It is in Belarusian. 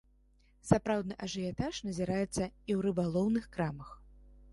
Сапраўдны ажыятаж назіраецца і ў рыбалоўных крамах.